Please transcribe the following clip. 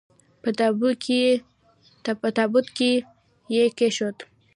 په تابوت کې یې کښېښود.